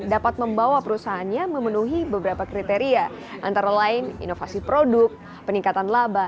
dapat membawa perusahaannya memenuhi beberapa kriteria antara lain inovasi produk peningkatan laba